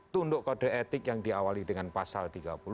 tunduk kode etik yang diawali dengan pasal tiga puluh